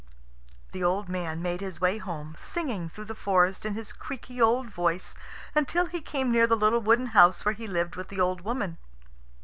The old man made his way home, singing through the forest in his creaky old voice until he came near the little wooden house where he lived with the old woman.